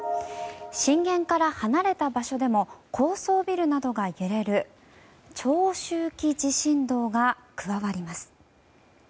震源から離れた場所でも高層ビルなどが揺れる長周期地震動が加わります。